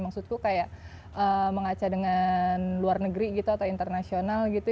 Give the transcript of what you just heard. maksudku kayak mengaca dengan luar negeri gitu atau internasional gitu